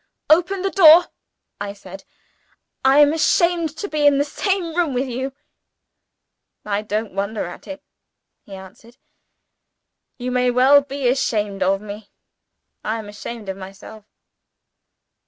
"Open the door!" I said. "I am ashamed to be in the same room with you!" "I don't wonder at it," he answered. "You may well be ashamed of me. I am ashamed of myself."